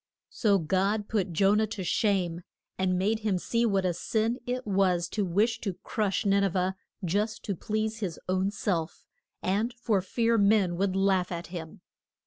So God put Jo nah to shame, and made him see what a sin it was to wish to crush Nin e veh just to please his own self and for fear men would laugh at him.